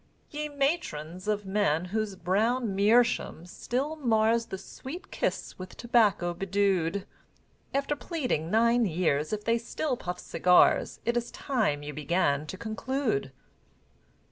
Ye Matrons of men whose brown meerschaum still mars The sweet kiss with tobacco bedewed, After pleading nine years, if they still puff cigars, It is time you began to conclude.